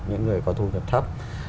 những người có thu nhập thấp